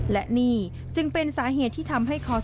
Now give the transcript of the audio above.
และนิจึงเป็นสาเหตุที่ทำให้ขอสชาวฯ